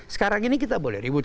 sekarang ini kita boleh ribut